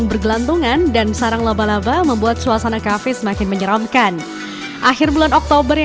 kepala kafe surabaya